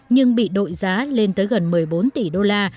nhưng bị đội giá lên tới gần một mươi bốn tỷ đô la